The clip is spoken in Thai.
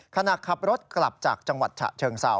ขณะขับรถกลับจากจังหวัดฉะเชิงเซา